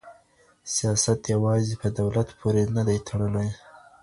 سياست يوازې په دولت پورې نه دی تړلی.